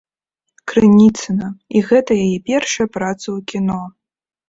Крыніцына, і гэта яе першая праца ў кіно.